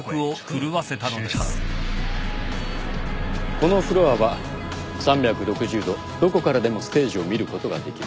このフロアは３６０度どこからでもステージを見ることができる。